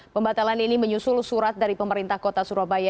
pembatalan ini menyusul surat dari pemerintah kota surabaya